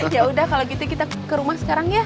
ya udah kalau gitu kita ke rumah sekarang ya